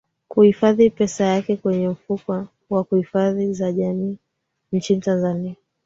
kuhifadhi pesa yake kwenye mfuko wa hifadhi za jamii nchini tanzania